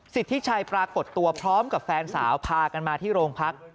สิทธิชัยปรากฏตัวพร้อมกับแฟนสาวพากันมาที่โรงพัก